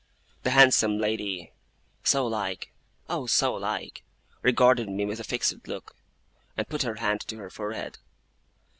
The handsome lady so like, oh so like! regarded me with a fixed look, and put her hand to her forehead.